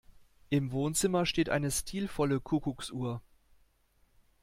Im Wohnzimmer steht eine stilvolle Kuckucksuhr.